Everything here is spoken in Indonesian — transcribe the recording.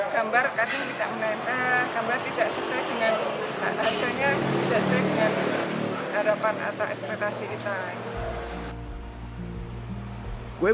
gambar kadang tidak meneta gambar tidak sesuai dengan hasilnya tidak sesuai dengan harapan atau ekspektasi kita buat